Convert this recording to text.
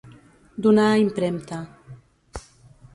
Donar a impremta.